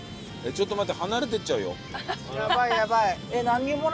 えちょっと待って！